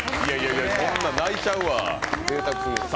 こんなん泣いちゃうわ。